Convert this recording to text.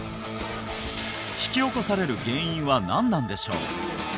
引き起こされる原因は何なんでしょう？